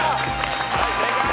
はい正解。